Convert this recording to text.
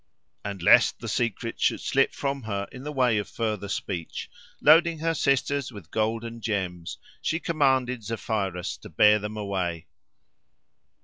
And lest the secret should slip from her in the way of further speech, loading her sisters with gold and gems, she commanded Zephyrus to bear them away.